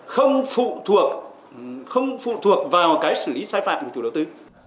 thế và không phụ thuộc vào cái xử lý sai phạm của chủ đầu tư